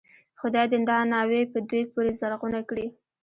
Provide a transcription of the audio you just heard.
خدای دې دا ناوې په دوی پورې زرغونه کړي.